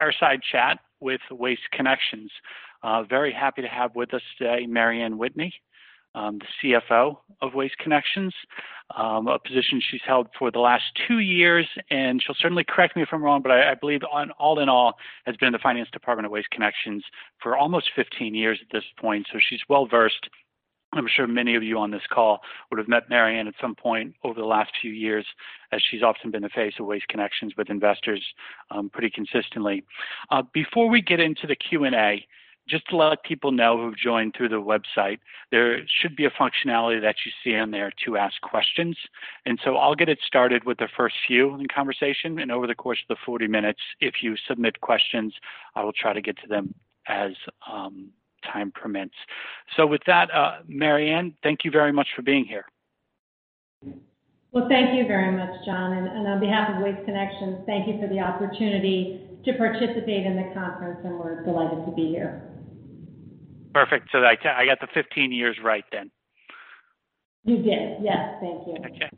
Fireside chat with Waste Connections. Very happy to have with us today Mary Anne Whitney, the CFO of Waste Connections, a position she's held for the last two years, and she'll certainly correct me if I'm wrong, but I believe all in all has been the finance department of Waste Connections for almost 15 years at this point, so she's well-versed. I'm sure many of you on this call would've met Mary Anne at some point over the last few years, as she's often been the face of Waste Connections with investors pretty consistently. Before we get into the Q&A, just to let people know who've joined through the website, there should be a functionality that you see on there to ask questions. I'll get it started with the first few in conversation, and over the course of the 40 minutes, if you submit questions, I will try to get to them as time permits. With that, Mary Anne, thank you very much for being here. Well, thank you very much, John, and on behalf of Waste Connections, thank you for the opportunity to participate in the conference, and we're delighted to be here. Perfect. I got the 15 years right then. You did, yes. Thank you. Okay.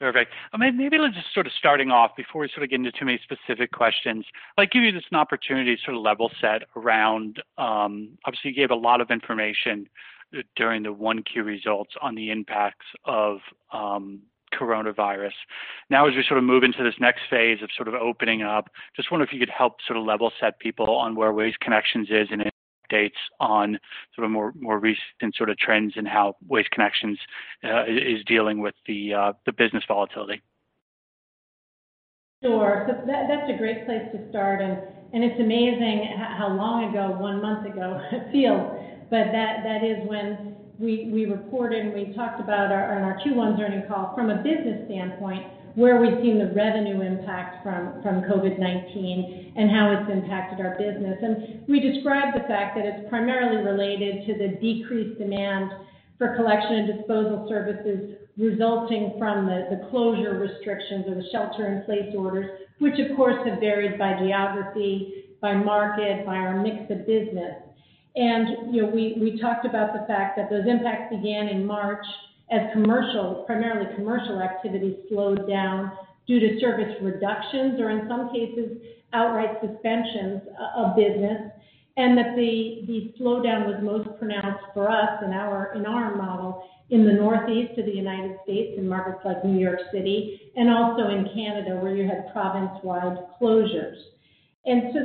Perfect. Maybe let's just sort of starting off before we sort of get into too many specific questions, I'll give you this, an opportunity to sort of level set around, obviously you gave a lot of information during the 1Q results on the impacts of coronavirus. Now, as we sort of move into this next phase of opening up, just wonder if you could help level set people on where Waste Connections is, and updates on more recent trends and how Waste Connections is dealing with the business volatility. Sure. That's a great place to start, and it's amazing how long ago one month ago feels. That is when we reported and we talked about our Q1 earnings call from a business standpoint, where we've seen the revenue impact from COVID-19 and how it's impacted our business. We described the fact that it's primarily related to the decreased demand for collection and disposal services resulting from the closure restrictions or the shelter-in-place orders, which of course have varied by geography, by market, by our mix of business. We talked about the fact that those impacts began in March as commercial, primarily commercial activity slowed down due to service reductions or in some cases, outright suspensions of business, and that the slowdown was most pronounced for us in our model in the Northeast of the U.S., in markets like New York City and also in Canada, where you had province-wide closures.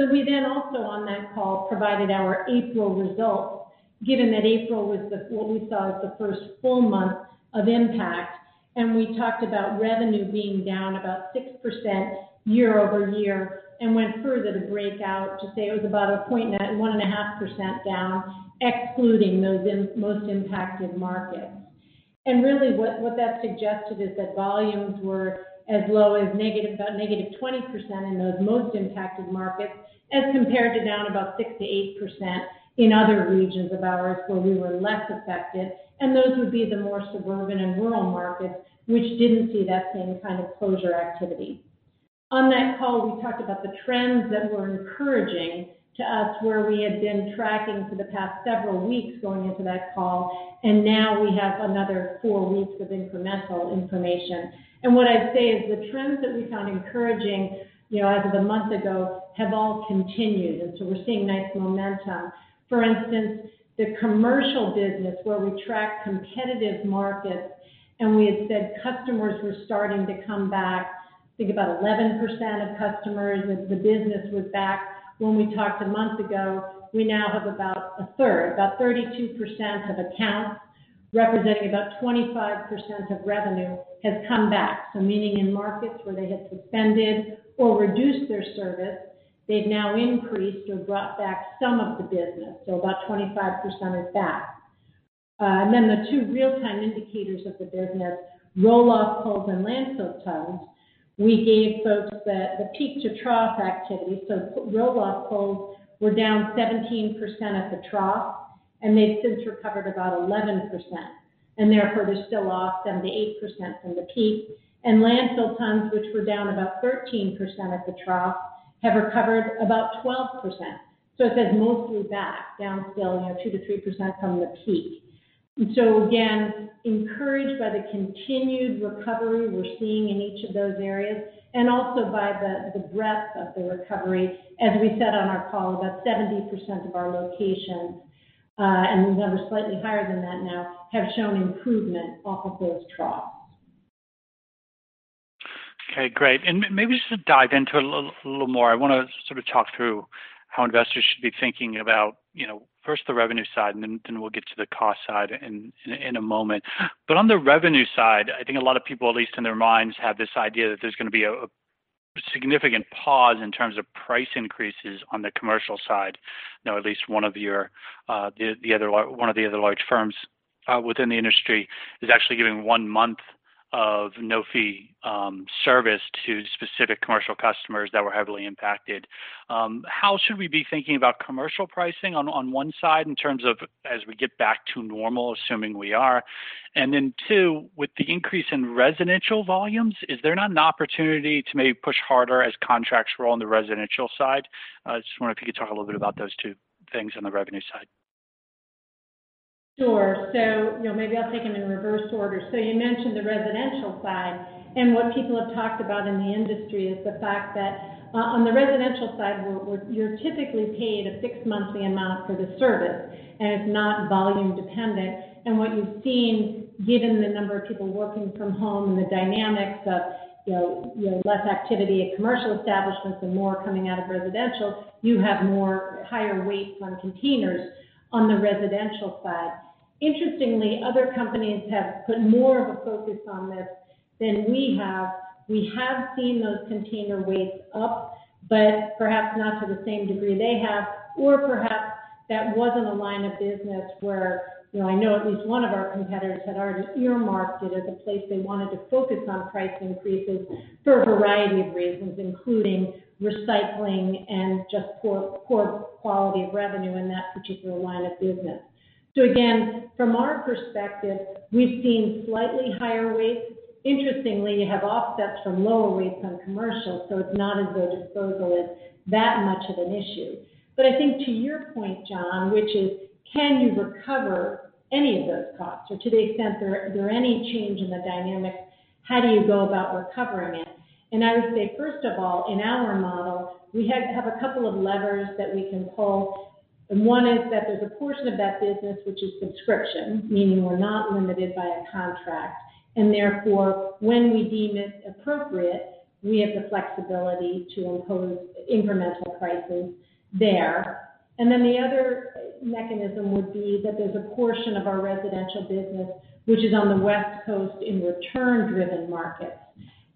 We then also on that call provided our April results, given that April was what we saw as the first full month of impact, and we talked about revenue being down about 6% year-over-year and went further to break out to say it was about a 1.5% down excluding those most impacted markets. Really what that suggested is that volumes were as low as -20% in those most impacted markets as compared to down about 6%-8% in other regions of ours where we were less affected, and those would be the more suburban and rural markets, which didn't see that same kind of closure activity. On that call, we talked about the trends that were encouraging to us, where we had been tracking for the past several weeks going into that call, and now we have another four weeks of incremental information. What I'd say is the trends that we found encouraging as of a month ago have all continued. We're seeing nice momentum. For instance, the commercial business where we track competitive markets and we had said customers were starting to come back, I think about 11% of customers with the business was back when we talked a month ago. We now have about a third, about 32% of accounts representing about 25% of revenue has come back. Meaning in markets where they had suspended or reduced their service, they've now increased or brought back some of the business. About 25% is back. Then the two real-time indicators of the business, roll-off loads and landfill tons, we gave folks the peak-to-trough activity. Roll-off loads were down 17% at the trough, and they've since recovered about 11%, and therefore they're still off 7%-8% from the peak. Landfill tons, which were down about 13% at the trough, have recovered about 12%. It says mostly back, down still 2%-3% from the peak. Again, encouraged by the continued recovery we're seeing in each of those areas, and also by the breadth of the recovery, as we said on our call, about 70% of our locations, and the number's slightly higher than that now, have shown improvement off of those troughs. Okay, great. Maybe just to dive into it a little more, I want to sort of talk through how investors should be thinking about first the revenue side, then we'll get to the cost side in a moment. On the revenue side, I think a lot of people, at least in their minds, have this idea that there's going to be a significant pause in terms of price increases on the commercial side. At least one of the other large firms within the industry is actually giving one month of no-fee service to specific commercial customers that were heavily impacted. How should we be thinking about commercial pricing on one side in terms of as we get back to normal, assuming we are, and then two, with the increase in residential volumes, is there not an opportunity to maybe push harder as contracts roll on the residential side? I just wonder if you could talk a little bit about those two things on the revenue side. Sure. Maybe I'll take them in reverse order. You mentioned the residential side, what people have talked about in the industry is the fact that on the residential side, you're typically paying a fixed monthly amount for the service, it's not volume dependent. What you've seen, given the number of people working from home and the dynamics of less activity at commercial establishments and more coming out of residential, you have more higher weights on containers on the residential side. Interestingly, other companies have put more of a focus on this than we have. We have seen those container weights up, perhaps not to the same degree they have, or perhaps that wasn't a line of business where, I know at least one of our competitors had already earmarked it as a place they wanted to focus on price increases for a variety of reasons, including recycling and just poor quality of revenue in that particular line of business. Again, from our perspective, we've seen slightly higher rates. Interestingly, you have offsets from lower rates on commercial, it's not as though disposal is that much of an issue. I think to your point, John, which is can you recover any of those costs? Or to the extent there are any change in the dynamics, how do you go about recovering it? I would say, first of all, in our model, we have a couple of levers that we can pull. One is that there's a portion of that business which is subscription, meaning we're not limited by a contract, therefore, when we deem it appropriate, we have the flexibility to impose incremental prices there. Then the other mechanism would be that there's a portion of our residential business, which is on the West Coast in return-driven markets.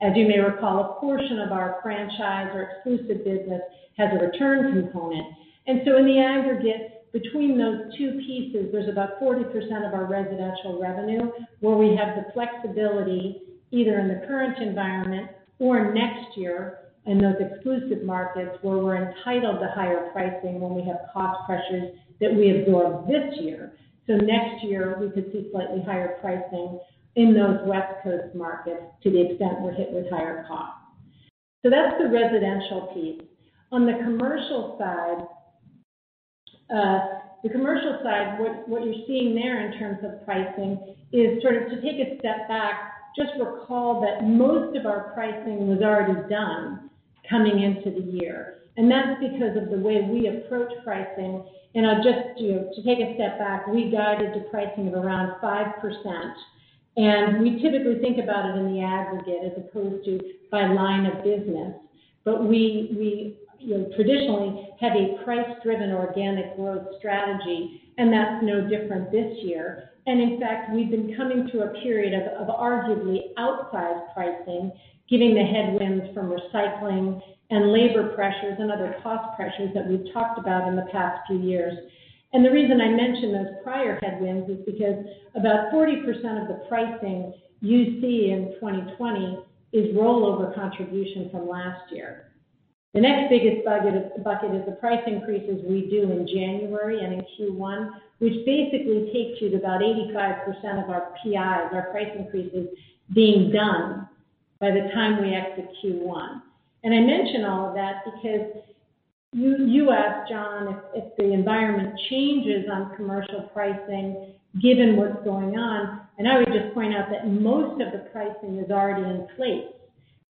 As you may recall, a portion of our franchise or exclusive business has a return component. In the aggregate, between those two pieces, there's about 40% of our residential revenue where we have the flexibility, either in the current environment or next year in those exclusive markets, where we're entitled to higher pricing when we have cost pressures that we absorb this year. Next year, we could see slightly higher pricing in those West Coast markets to the extent we're hit with higher costs. That's the residential piece. On the commercial side, what you're seeing there in terms of pricing is sort of to take a step back, just recall that most of our pricing was already done coming into the year. That's because of the way we approach pricing. Just to take a step back, we guided to pricing of around 5%, and we typically think about it in the aggregate as opposed to by line of business. We traditionally have a price-driven organic growth strategy, and that's no different this year. In fact, we've been coming to a period of arguably outsized pricing, given the headwinds from recycling and labor pressures and other cost pressures that we've talked about in the past two years. The reason I mention those prior headwinds is because about 40% of the pricing you see in 2020 is rollover contribution from last year. The next biggest bucket is the price increases we do in January and in Q1, which basically takes you to about 85% of our PIs, our price increases, being done by the time we exit Q1. I mention all of that because you asked, John, if the environment changes on commercial pricing given what's going on, and I would just point out that most of the pricing is already in place.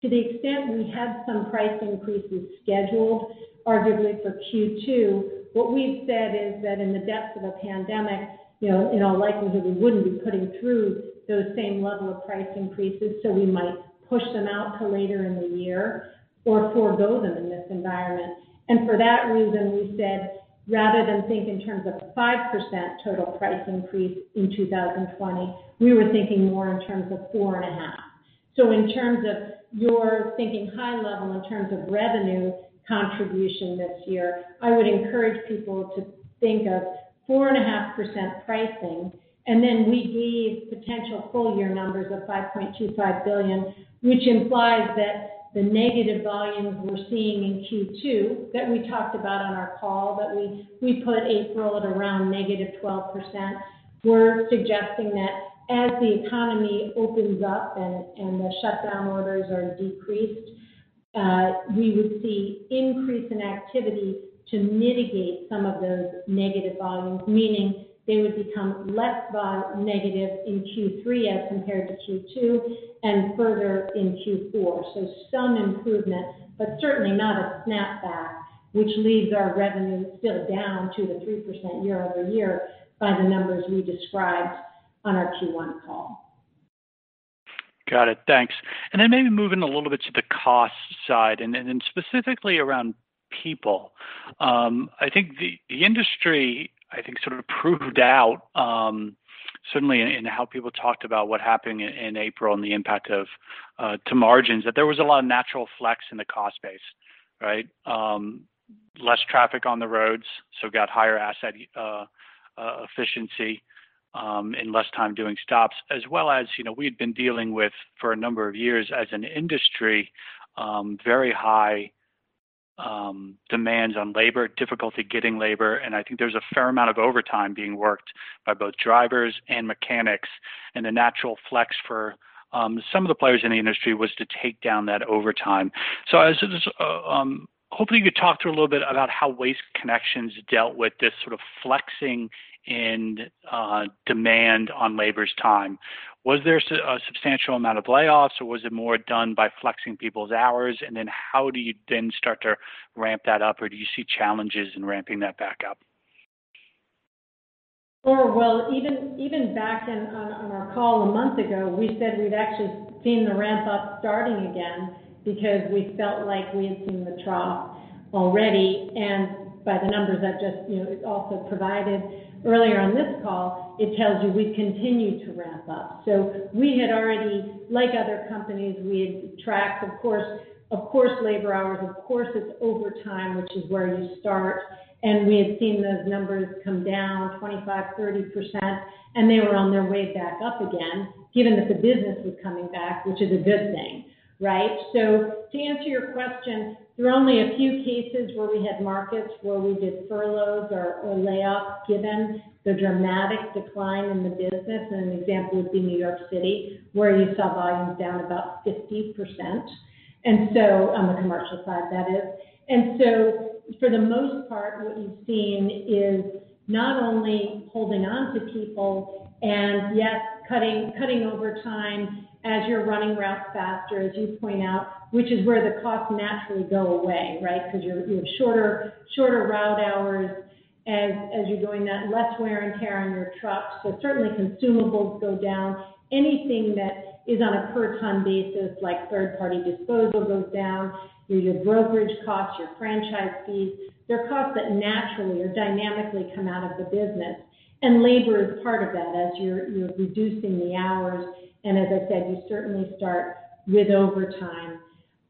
To the extent we had some price increases scheduled, arguably for Q2, what we've said is that in the depths of a pandemic, in all likelihood, we wouldn't be putting through those same level of price increases. We might push them out to later in the year or forego them in this environment. For that reason, we said, rather than think in terms of 5% total price increase in 2020, we were thinking more in terms of 4.5%. In terms of your thinking high level in terms of revenue contribution this year, I would encourage people to think of 4.5% pricing, we leave potential full year numbers of $5.25 billion, which implies that the negative volumes we're seeing in Q2, that we talked about on our call, that we put April at around negative 12%. We're suggesting that as the economy opens up and the shutdown orders are decreased, we would see increase in activity to mitigate some of those negative volumes, meaning they would become less negative in Q3 as compared to Q2, and further in Q4. Some improvement, but certainly not a snap back, which leaves our revenue still down to the 3% year-over-year by the numbers we described on our Q1 call. Got it. Thanks. Maybe moving a little bit to the cost side specifically around people. I think the industry sort of proved out, certainly in how people talked about what happened in April and the impact to margins, that there was a lot of natural flex in the cost base. Right? Less traffic on the roads, so got higher asset efficiency and less time doing stops. As well as, we had been dealing with for a number of years as an industry, very high demands on labor, difficulty getting labor, and I think there was a fair amount of overtime being worked by both drivers and mechanics. The natural flex for some of the players in the industry was to take down that overtime. I was hoping you could talk to a little bit about how Waste Connections dealt with this sort of flexing in demand on labor's time. Was there a substantial amount of layoffs, or was it more done by flexing people's hours? How do you then start to ramp that up, or do you see challenges in ramping that back up? Sure. Well, even back on our call a month ago, we said we've actually seen the ramp up starting again because we felt like we had seen the trough already. By the numbers I've just also provided earlier on this call, it tells you we've continued to ramp up. We had already, like other companies, we had tracked, of course, labor hours, of course, it's overtime, which is where you start. We had seen those numbers come down 25%, 30%, and they were on their way back up again, given that the business was coming back, which is a good thing, right? To answer your question, there are only a few cases where we had markets where we did furloughs or layoffs, given the dramatic decline in the business, and an example would be New York City, where you saw volumes down about 50%, on the commercial side, that is. For the most part, what we've seen is not only holding onto people and yes, cutting overtime as you're running routes faster, as you point out, which is where the costs naturally go away, right? Because you have shorter route hours as you're doing that, and less wear and tear on your trucks. Certainly consumables go down. Anything that is on a per-ton basis, like third-party disposal, goes down. Your brokerage costs, your franchise fees. They're costs that naturally or dynamically come out of the business. Labor is part of that as you're reducing the hours, as I said, you certainly start with overtime.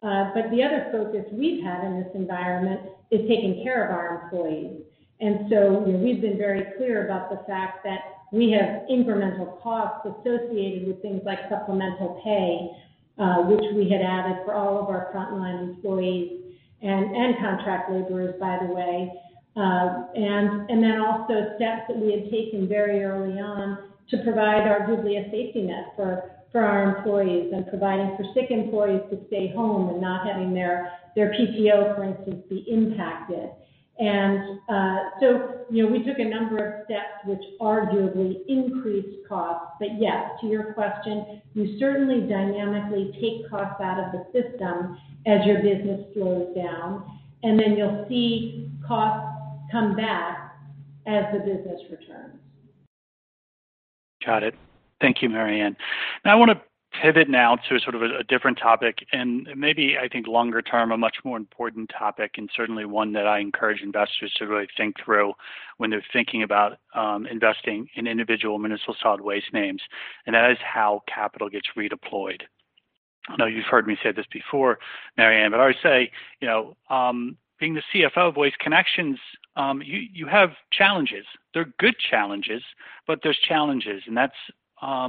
The other focus we've had in this environment is taking care of our employees. We've been very clear about the fact that we have incremental costs associated with things like supplemental pay, which we had added for all of our frontline employees and contract laborers, by the way. Also steps that we had taken very early on to provide arguably a safety net for our employees and providing for sick employees to stay home and not having their PTO, for instance, be impacted. We took a number of steps which arguably increased costs. Yes, to your question, you certainly dynamically take costs out of the system as your business slows down, you'll see costs come back as the business returns. Got it. Thank you, Mary Anne. I want to pivot now to sort of a different topic maybe I think longer term, a much more important topic, certainly one that I encourage investors to really think through when they're thinking about investing in individual municipal solid waste names. That is how capital gets redeployed. I know you've heard me say this before, Mary Anne, I would say, being the CFO of Waste Connections, you have challenges. They're good challenges, but there's challenges, that's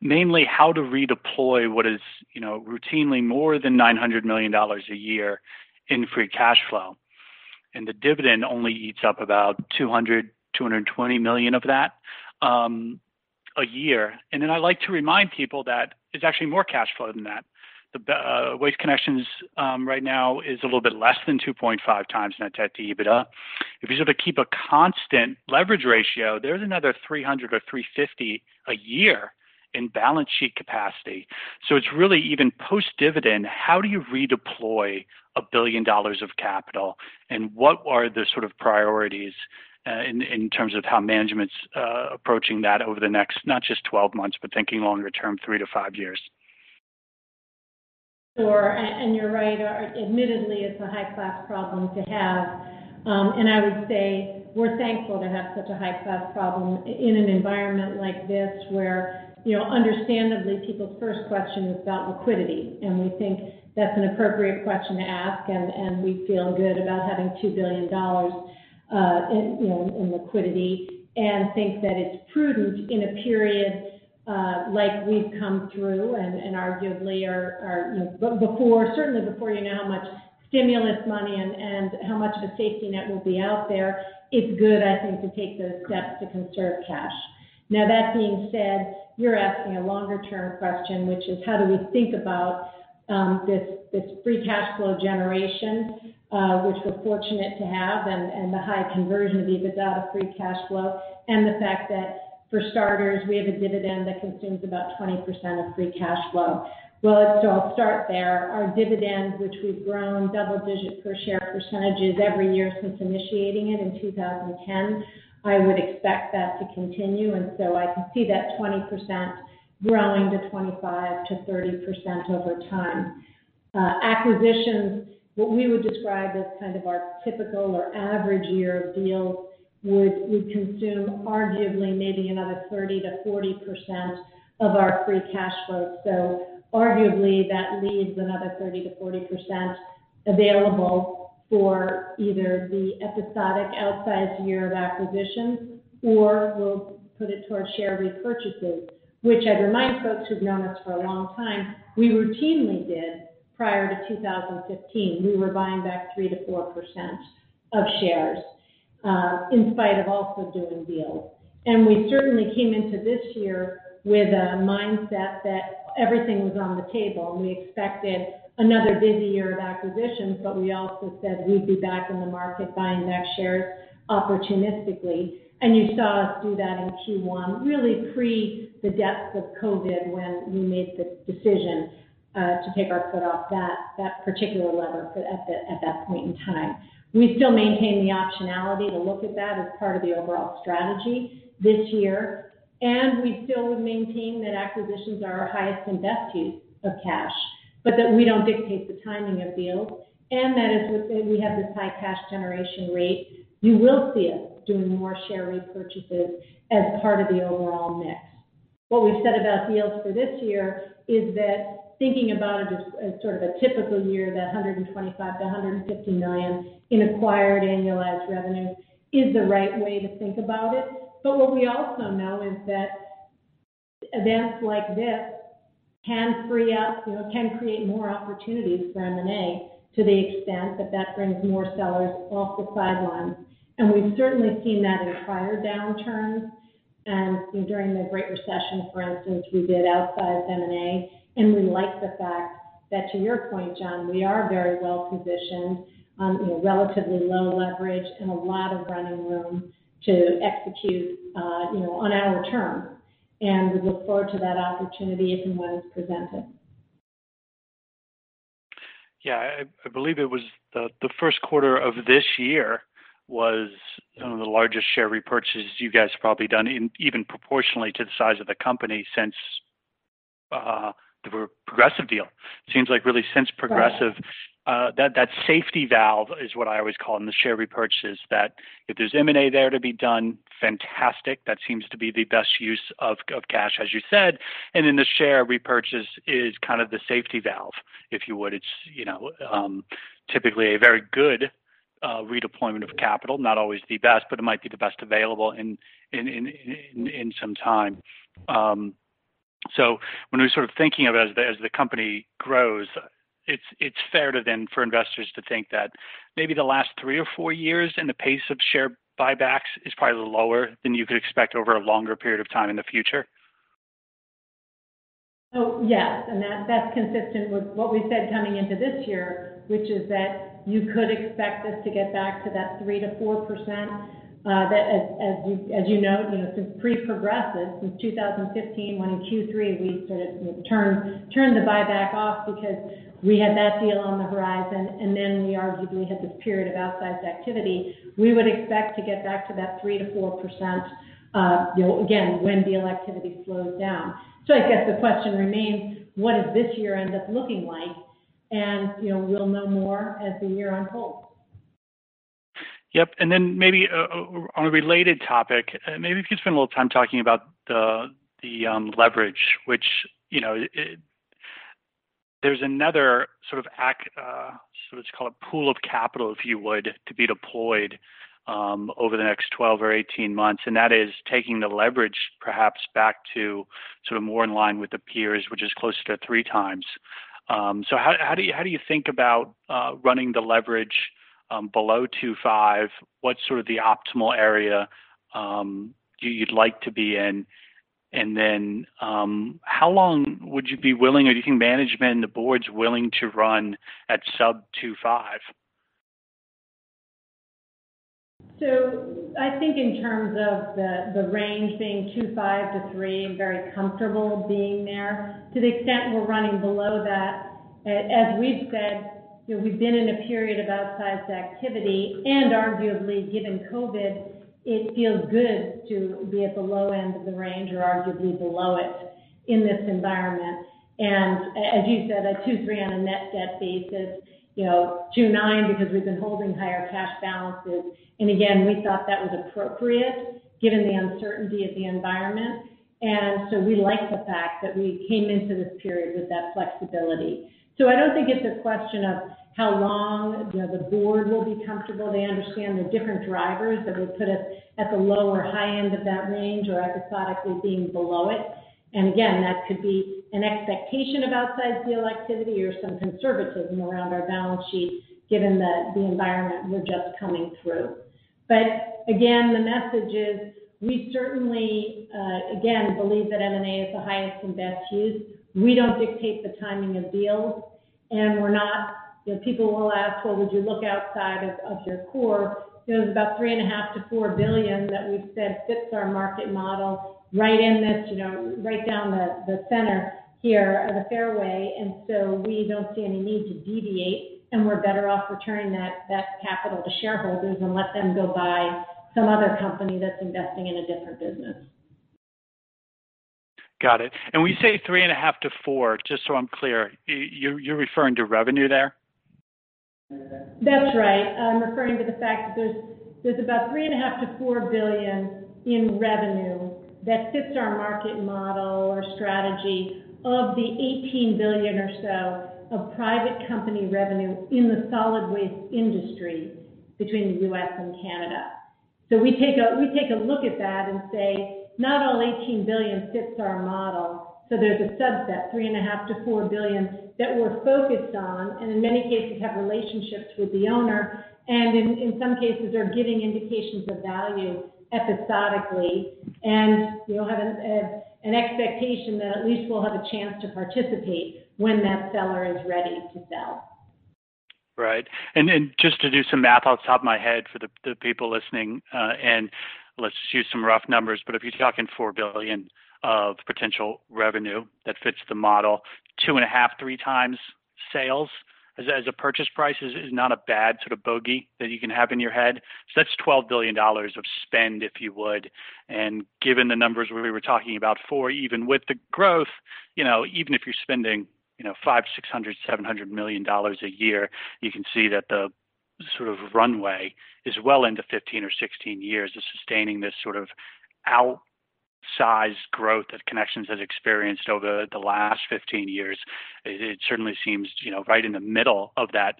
mainly how to redeploy what is routinely more than $900 million a year in free cash flow. The dividend only eats up about $200, $220 million of that a year. I like to remind people that it's actually more cash flow than that. Waste Connections right now is a little bit less than 2.5x net debt to EBITDA. If you sort of keep a constant leverage ratio, there's another $300 or $350 a year in balance sheet capacity. It's really even post-dividend, how do you redeploy $1 billion of capital, what are the sort of priorities in terms of how management's approaching that over the next, not just 12 months, but thinking longer term, 3 to 5 years? Sure. You're right, admittedly, it's a high-class problem to have. I would say we're thankful to have such a high-class problem in an environment like this where understandably, people's first question is about liquidity. We think that's an appropriate question to ask, we feel good about having $2 billion in liquidity and think that it's prudent in a period like we've come through arguably, certainly before you know how much stimulus money and how much of a safety net will be out there, it's good, I think, to take those steps to conserve cash. That being said, you're asking a longer-term question, which is how do we think about this free cash flow generation, which we're fortunate to have, and the high conversion of EBITDA to free cash flow, and the fact that, for starters, we have a dividend that consumes about 20% of free cash flow. Let's all start there. Our dividends, which we've grown double-digit per share percentages every year since initiating it in 2010, I would expect that to continue. I can see that 20% growing to 25%-30% over time. Acquisitions, what we would describe as kind of our typical or average year of deals would consume, arguably, maybe another 30%-40% of our free cash flow. Arguably, that leaves another 30%-40% available for either the episodic outsized year of acquisitions, or we'll put it towards share repurchases, which I remind folks who've known us for a long time, we routinely did prior to 2015. We were buying back 3%-4% of shares. In spite of also doing deals. We certainly came into this year with a mindset that everything was on the table, and we expected another busy year of acquisitions, but we also said we'd be back in the market buying back shares opportunistically. You saw us do that in Q1, really pre the depths of COVID, when we made the decision to take our foot off that particular lever at that point in time. We still maintain the optionality to look at that as part of the overall strategy this year. We still maintain that acquisitions are our highest and best use of cash, but that we don't dictate the timing of deals, and that as we have this high cash generation rate, you will see us doing more share repurchases as part of the overall mix. What we've said about deals for this year is that thinking about it as sort of a typical year, that $125 million-$150 million in acquired annualized revenue is the right way to think about it. What we also know is that events like this can create more opportunities for M&A to the extent that brings more sellers off the sidelines. We've certainly seen that in prior downturns. During the Great Recession, for instance, we did outsized M&A, and we like the fact that, to your point, John, we are very well positioned, relatively low leverage and a lot of running room to execute on our terms. We look forward to that opportunity if and when it's presented. I believe it was the first quarter of this year was one of the largest share repurchases you guys have probably done, even proportionally to the size of the company since the Progressive deal. It seems like really since Progressive, that safety valve is what I always call it, and the share repurchase, that if there's M&A there to be done, fantastic. That seems to be the best use of cash, as you said. The share repurchase is kind of the safety valve, if you would. It's typically a very good redeployment of capital. Not always the best, but it might be the best available in some time. When we're sort of thinking of it as the company grows, it's fair then for investors to think that maybe the last three or four years and the pace of share buybacks is probably a little lower than you could expect over a longer period of time in the future? Yes. That's consistent with what we said coming into this year, which is that you could expect us to get back to that 3%-4%, that as you know, since pre Progressive, since 2015, when in Q3 we sort of turned the buyback off because we had that deal on the horizon, we arguably had this period of outsized activity. We would expect to get back to that 3%-4%, again, when deal activity slows down. I guess the question remains, what does this year end up looking like? We'll know more as the year unfolds. Yep. Maybe on a related topic, maybe if you could spend a little time talking about the leverage, which there's another sort of act, let's call it pool of capital, if you would, to be deployed over the next 12 or 18 months, and that is taking the leverage perhaps back to more in line with the peers, which is closer to three times. How do you think about running the leverage below 2.5? What's sort of the optimal area you'd like to be in? How long would you be willing, or do you think management and the board's willing to run at sub 2.5? I think in terms of the range being 2.5 to 3, I'm very comfortable being there. To the extent we're running below that, as we've said, we've been in a period of outsized activity, and arguably given COVID, it feels good to be at the low end of the range or arguably below it in this environment. As you said, a 2.3 on a net debt basis, 2.9 because we've been holding higher cash balances. Again, we thought that was appropriate given the uncertainty of the environment. We like the fact that we came into this period with that flexibility. I don't think it's a question of how long the board will be comfortable. They understand the different drivers that would put us at the low or high end of that range or episodically being below it. Again, that could be an expectation of outsized deal activity or some conservatism around our balance sheet, given the environment we're just coming through. Again, the message is we certainly, again, believe that M&A is the highest and best use. We don't dictate the timing of deals, and people will ask, "Well, would you look outside of your core?" It was about $3.5 billion-$4 billion that we've said fits our market model right down the center here of the fairway, and we don't see any need to deviate, and we're better off returning that capital to shareholders and let them go buy some other company that's investing in a different business. Got it. When you say $3.5 billion-$4 billion, just so I'm clear, you're referring to revenue there? That's right. I'm referring to the fact that there's about $3.5 billion-$4 billion in revenue that fits our market model or strategy of the $18 billion or so of private company revenue in the solid waste industry between the U.S. and Canada. We take a look at that and say, "Not all $18 billion fits our model." There's a subset, $3.5 billion-$4 billion, that we're focused on, and in many cases, have relationships with the owner, and in some cases are giving indications of value episodically, and we'll have an expectation that at least we'll have a chance to participate when that seller is ready to sell. Right. Just to do some math off the top of my head for the people listening, let's use some rough numbers. If you're talking $4 billion of potential revenue, that fits the model two and a half, three times sales as a purchase price is not a bad sort of bogey that you can have in your head. That's $12 billion of spend, if you would. Given the numbers where we were talking about four, even with the growth, even if you're spending $500 million, $600 million, $700 million a year, you can see that the sort of runway is well into 15 or 16 years of sustaining this sort of outsized growth that Connections has experienced over the last 15 years. It certainly seems right in the middle of that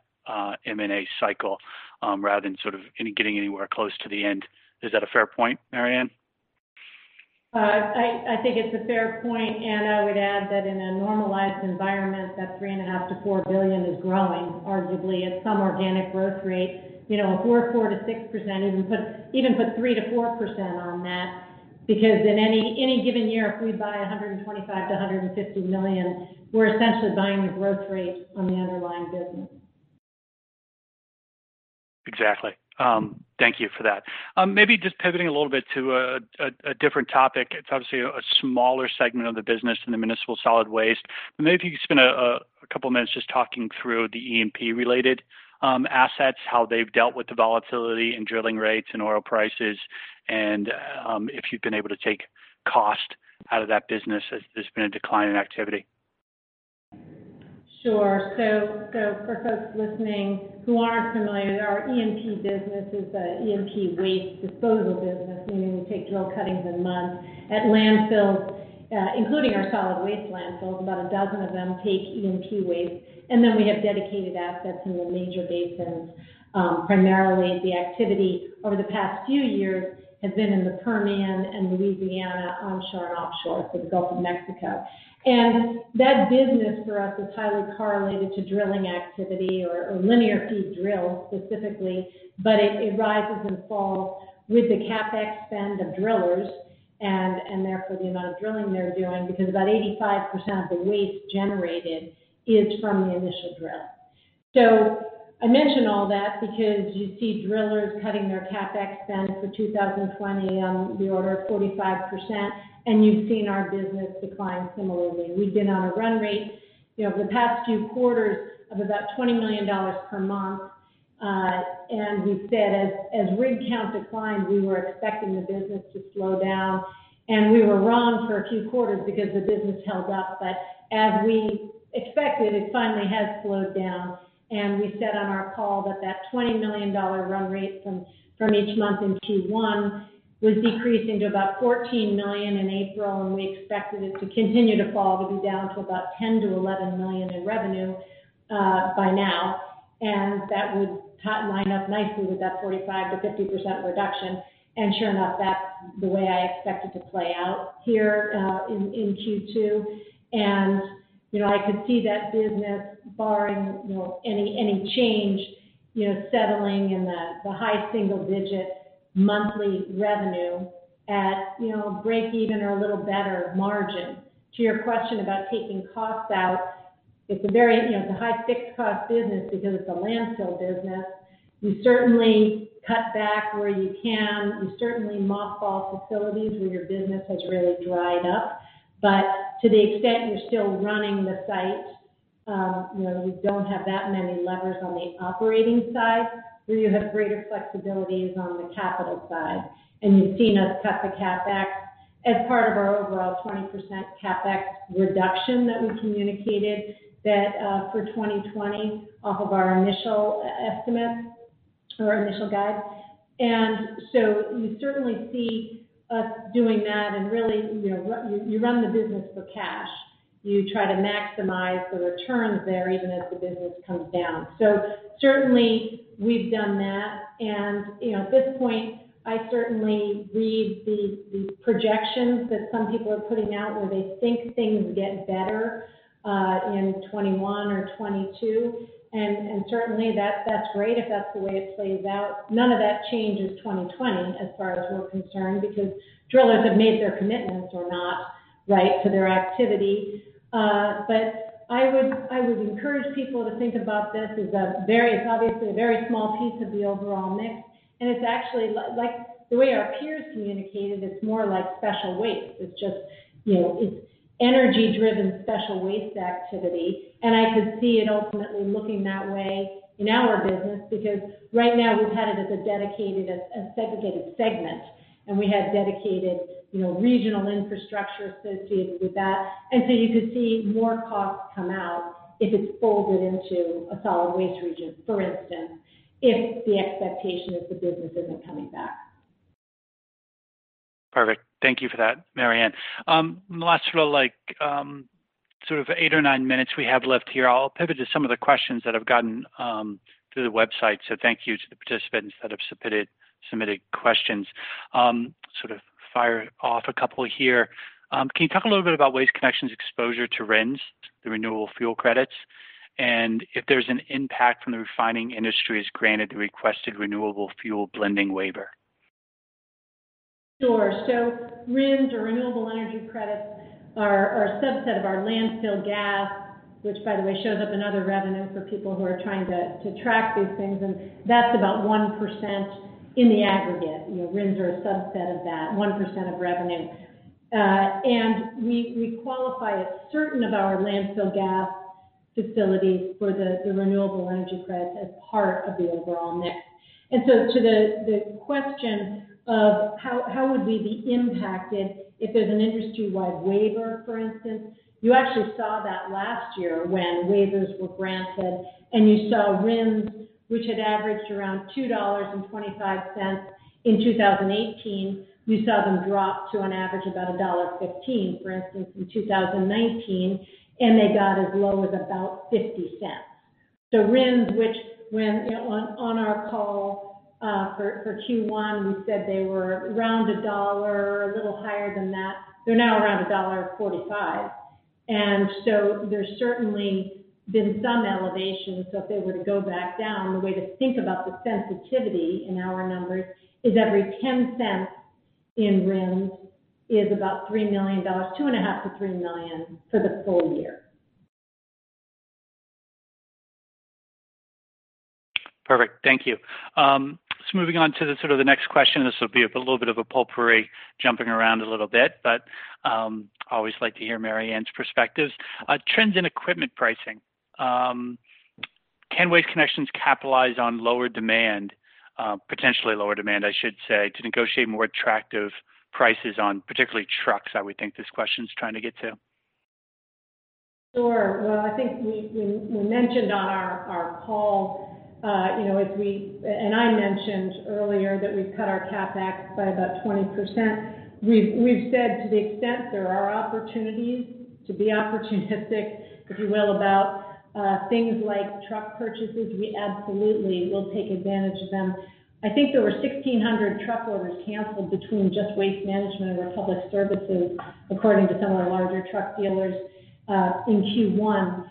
M&A cycle, rather than sort of getting anywhere close to the end. Is that a fair point, Mary Anne? I think it's a fair point. I would add that in a normalized environment, that $3.5 billion to $4 billion is growing arguably at some organic growth rate. If we're 4%-6%, even put 3%-4% on that, because in any given year, if we buy $125 million to $150 million, we're essentially buying the growth rate on the underlying business. Exactly. Thank you for that. Maybe just pivoting a little bit to a different topic. It's obviously a smaller segment of the business in the municipal solid waste, but maybe if you could spend a couple minutes just talking through the E&P related assets, how they've dealt with the volatility in drilling rates and oil prices, and if you've been able to take cost out of that business as there's been a decline in activity. Sure. For folks listening who aren't familiar, our E&P business is a E&P waste disposal business, meaning we take drill cuttings and mud at landfills including our solid waste landfills. About a dozen of them take E&P waste. Then we have dedicated assets in the major basins. Primarily, the activity over the past few years has been in the Permian and Louisiana onshore and offshore, so the Gulf of Mexico. That business for us is highly correlated to drilling activity or linear feet drilled specifically, but it rises and falls with the CapEx spend of drillers and therefore the amount of drilling they're doing, because about 85% of the waste generated is from the initial drill. I mention all that because you see drillers cutting their CapEx spend for 2020 on the order of 45%, and you've seen our business decline similarly. We've been on a run rate the past few quarters of about $20 million per month. We said as rig count declined, we were expecting the business to slow down, and we were wrong for a few quarters because the business held up. As we expected, it finally has slowed down. We said on our call that $20 million run rate from each month in Q1 was decreasing to about $14 million in April, and we expected it to continue to fall to be down to about $10 million-$11 million in revenue by now. That would line up nicely with that 45%-50% reduction, and sure enough, that's the way I expect it to play out here in Q2. I could see that business barring any change, settling in the high single digit monthly revenue at breakeven or a little better margin. To your question about taking costs out, it's a high fixed cost business because it's a landfill business. You certainly cut back where you can. You certainly mothball facilities where your business has really dried up. To the extent you're still running the site, you don't have that many levers on the operating side, you have greater flexibilities on the capital side. You've seen us cut the CapEx as part of our overall 20% CapEx reduction that we communicated that for 2020 off of our initial estimate or our initial guide. You certainly see us doing that and really, you run the business for cash. You try to maximize the returns there even as the business comes down. Certainly we've done that, and at this point, I certainly read these projections that some people are putting out where they think things get better, in 2021 or 2022. Certainly, that's great if that's the way it plays out. None of that changes 2020 as far as we're concerned because drillers have made their commitments or not to their activity. I would encourage people to think about this as a very, it's obviously a very small piece of the overall mix, and it's actually like the way our peers communicated, it's more like special waste. It's energy driven special waste activity. I could see it ultimately looking that way in our business because right now we've had it as a dedicated, a segregated segment, and we have dedicated regional infrastructure associated with that. You could see more costs come out if it's folded into a solid waste region, for instance, if the expectation is the business isn't coming back. Perfect. Thank you for that, Mary Anne. In the last sort of eight or nine minutes we have left here, I'll pivot to some of the questions that have gotten through the website. Thank you to the participants that have submitted questions. Sort of fire off a couple here. Can you talk a little bit about Waste Connections' exposure to RINs, the renewable fuel credits, and if there's an impact from the refining industries granted the requested renewable fuel blending waiver? Sure. RINs or renewable energy credits are a subset of our landfill gas, which by the way shows up in other revenue for people who are trying to track these things, and that's about 1% in the aggregate. RINs are a subset of that, 1% of revenue. We qualify a certain of our landfill gas facilities for the renewable energy credits as part of the overall mix. To the question of how would we be impacted if there's an industry-wide waiver, for instance, you actually saw that last year when waivers were granted. You saw RINs, which had averaged around $2.25 in 2018, you saw them drop to an average of about $1.15, for instance, in 2019, and they got as low as about $0.50. RINs, which, when on our call for Q1, we said they were around $1.00, a little higher than that. They're now around $1.45. There's certainly been some elevation. If they were to go back down, the way to think about the sensitivity in our numbers is every $0.10 in RINs is about $3 million, $2.5 million-$3 million for the full year. Perfect. Thank you. Moving on to the sort of the next question, this will be a little bit of a potpourri, jumping around a little bit, but I always like to hear Mary Anne's perspectives. Trends in equipment pricing. Can Waste Connections capitalize on lower demand, potentially lower demand, I should say, to negotiate more attractive prices on particularly trucks, I would think this question's trying to get to? Sure. Well, I think we mentioned on our call, I mentioned earlier that we've cut our CapEx by about 20%. We've said to the extent there are opportunities to be opportunistic, if you will, about things like truck purchases, we absolutely will take advantage of them. I think there were 1,600 truck orders canceled between just Waste Management or Republic Services according to some of the larger truck dealers in Q1.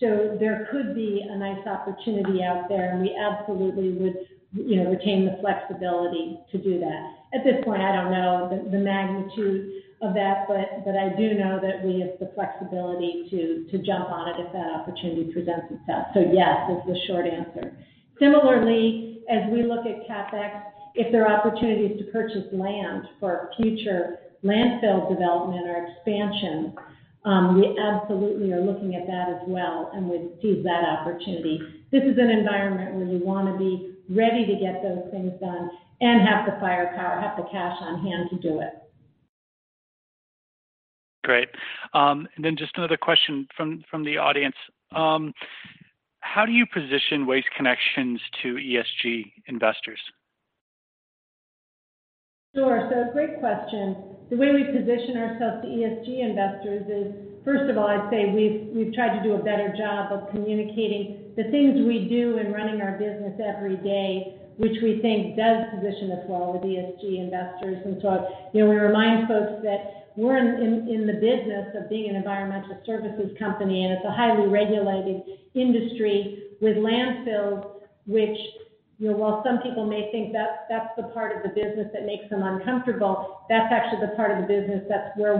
There could be a nice opportunity out there, and we absolutely would retain the flexibility to do that. At this point, I don't know the magnitude of that, but I do know that we have the flexibility to jump on it if that opportunity presents itself. Yes, is the short answer. Similarly, as we look at CapEx, if there are opportunities to purchase land for future landfill development or expansion, we absolutely are looking at that as well and would seize that opportunity. This is an environment where we want to be ready to get those things done and have the firepower, have the cash on hand to do it. Great. Just another question from the audience. How do you position Waste Connections to ESG investors? Great question. The way we position ourselves to ESG investors is, first of all, I'd say we've tried to do a better job of communicating the things we do in running our business every day, which we think does position us well with ESG investors. We remind folks that we're in the business of being an environmental services company, and it's a highly regulated industry with landfills, which while some people may think that's the part of the business that makes them uncomfortable, that's actually the part of the business that's where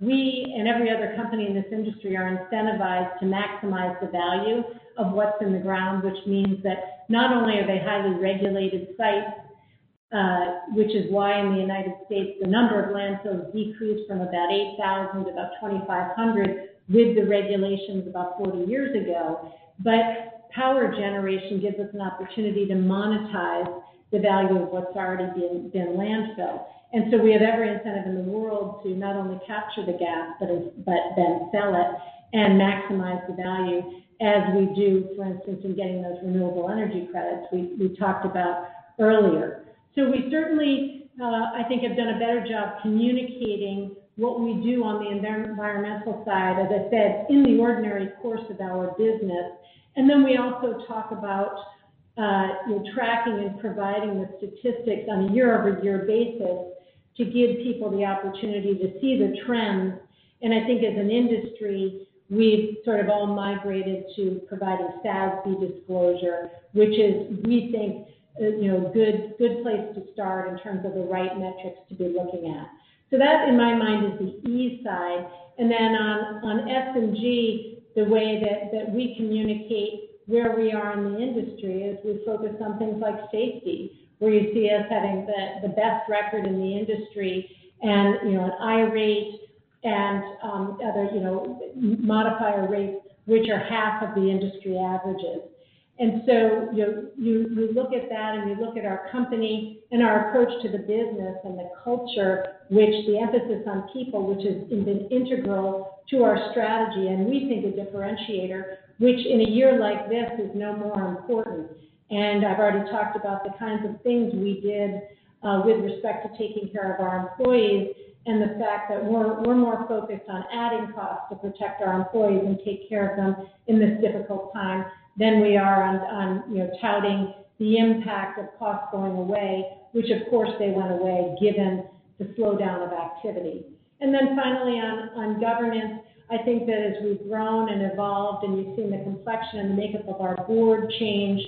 we and every other company in this industry are incentivized to maximize the value of what's in the ground. Which means that not only are they highly regulated sites, which is why in the U.S., the number of landfills decreased from about 8,000 to about 2,500 with the regulations about 40 years ago. Power generation gives us an opportunity to monetize the value of what's already been landfilled. We have every incentive in the world to not only capture the gas, but then sell it and maximize the value as we do, for instance, in getting those renewable energy credits we talked about earlier. We certainly, I think, have done a better job communicating what we do on the environmental side, as I said, in the ordinary course of our business. We also talk about tracking and providing the statistics on a year-over-year basis to give people the opportunity to see the trends. I think as an industry, we've sort of all migrated to provide a SASB disclosure, which is, we think, a good place to start in terms of the right metrics to be looking at. That, in my mind, is the E side. On S and G, the way that we communicate where we are in the industry is we focus on things like safety, where you see us having the best record in the industry and an IR rate and other modifier rates, which are half of the industry averages. You look at that and you look at our company and our approach to the business and the culture, which the emphasis on people, which has been integral to our strategy, and we think a differentiator, which in a year like this is no more important. I've already talked about the kinds of things we did with respect to taking care of our employees, and the fact that we're more focused on adding costs to protect our employees and take care of them in this difficult time than we are on touting the impact of costs going away, which of course they went away given the slowdown of activity. Finally on governance, I think that as we've grown and evolved and you've seen the complexion and makeup of our board change.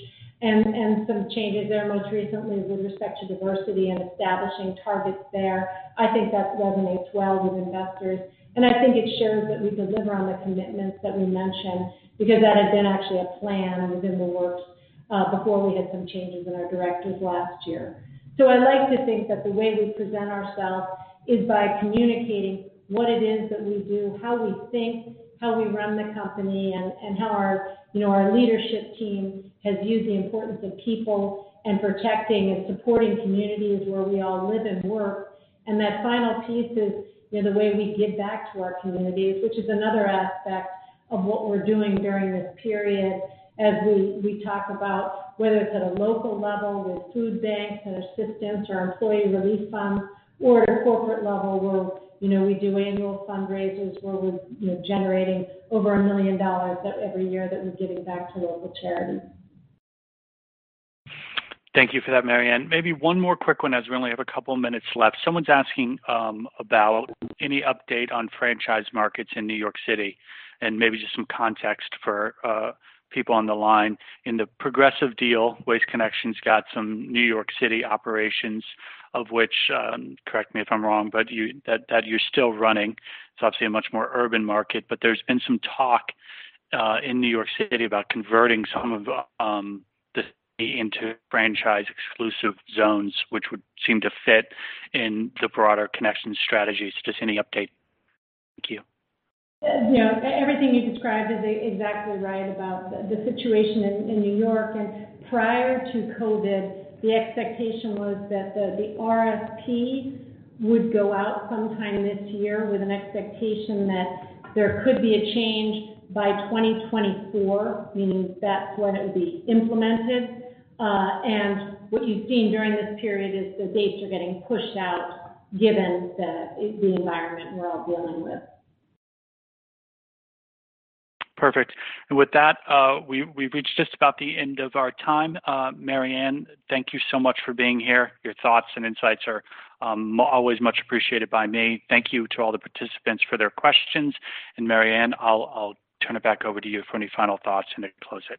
Some changes there most recently with respect to diversity and establishing targets there. I think that resonates well with investors, and I think it shows that we deliver on the commitments that we mention, because that had been actually a plan and was in the works, before we had some changes in our directors last year. I like to think that the way we present ourselves is by communicating what it is that we do, how we think, how we run the company, and how our leadership team has used the importance of people in protecting and supporting communities where we all live and work. That final piece is the way we give back to our communities, which is another aspect of what we're doing during this period as we talk about, whether it's at a local level with food banks and assistance or our employee relief fund, or at a corporate level, where we do annual fundraisers where we're generating over $1 million every year that we're giving back to local charities. Thank you for that, Mary Anne. Maybe one more quick one, as we only have a couple minutes left. Someone's asking about any update on franchise markets in New York City, and maybe just some context for people on the line. In the Progressive deal, Waste Connections got some New York City operations of which, correct me if I'm wrong, but that you're still running. It's obviously a much more urban market. There's been some talk in New York City about converting some of the city into franchise exclusive zones, which would seem to fit in the broader Connections strategies. Just any update? Thank you. Everything you described is exactly right about the situation in New York. Prior to COVID, the expectation was that the RFP would go out sometime this year with an expectation that there could be a change by 2024, meaning that's when it would be implemented. What you've seen during this period is the dates are getting pushed out given the environment we're all dealing with. Perfect. With that, we've reached just about the end of our time. Mary Anne, thank you so much for being here. Your thoughts and insights are always much appreciated by me. Thank you to all the participants for their questions. Mary Anne, I'll turn it back over to you for any final thoughts, and then close it.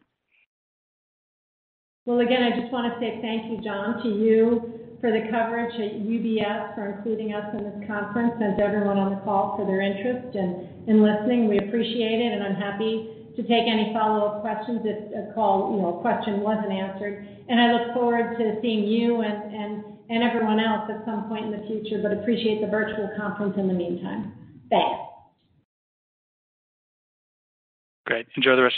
Again, I just want to say thank you, John, to you for the coverage, at UBS for including us in this conference, and to everyone on the call for their interest in listening. We appreciate it, and I'm happy to take any follow-up questions if a question wasn't answered. I look forward to seeing you and everyone else at some point in the future, but appreciate the virtual conference in the meantime. Thanks. Great. Enjoy the rest of your day